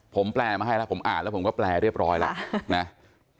ผมแปลมาให้แล้วผมอ่านแล้วผมก็แปลเรียบร้อยแล้วนะ